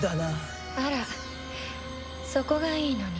あらそこがいいのに。